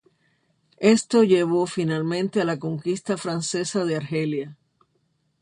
Esto llevó finalmente a la conquista francesa de Argelia.